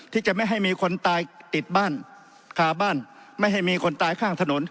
ที่จะไม่ให้มีคนตายติดบ้านคาบ้านไม่ให้มีคนตายข้างถนน